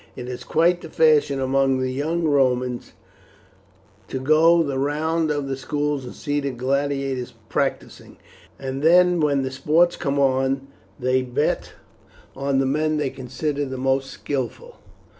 It is quite the fashion among the young Romans to go the round of the schools and see the gladiators practising, and then when the sports come on they bet on the men they consider the most skilful."